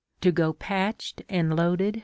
To go patched, and loaded v.